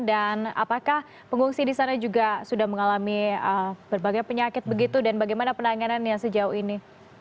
dan apakah pengungsi disana juga sudah mengalami berbagai penyakit begitu dan bagaimana penanganannya sejauh ini